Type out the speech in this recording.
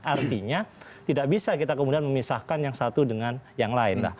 artinya tidak bisa kita kemudian memisahkan yang satu dengan yang lain